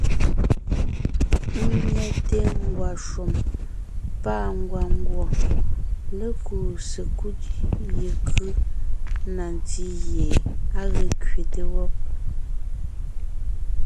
Ńnyɛte ngwàshùm pâ ngwàngùɔ lékuu sekúd yekʉ́ na ntí gie á ge kẅete wɔ́b.